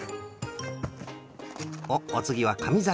おっおつぎはかみざら。